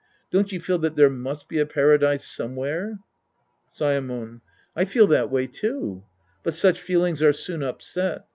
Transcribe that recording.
Don't you feel that there must be a Paradise somewhere ? Saemon. I feel that way, too. But such feelings are soon upset.